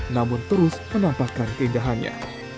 namun terus menampakkan keindahannya